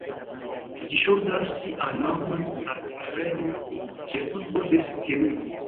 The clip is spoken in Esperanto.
Ĝi ŝuldas sian nomon al Palermo, ĉefurbo de Sicilio.